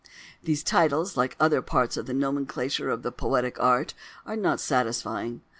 These titles, like other parts of the nomenclature of the poetic art, are not satisfying.